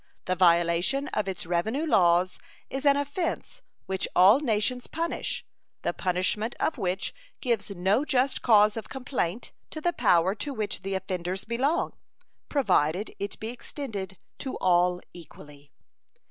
The violation of its revenue laws is an offense which all nations punish, the punishment of which gives no just cause of complaint to the power to which the offenders belong, provided it be extended to all equally.